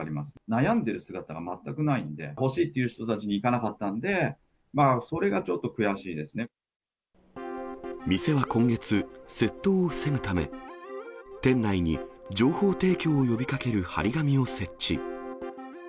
悩んでる姿が全くないんで、欲しいという人たちにいかなかったんで、それがちょっと悔しいで店は今月、窃盗を防ぐため、店内に情報提供を呼びかける貼り紙を設置。